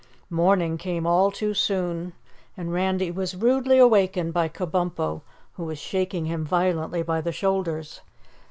Morning came all too soon, and Randy was rudely awakened by Kabumpo, who was shaking him violently by the shoulders.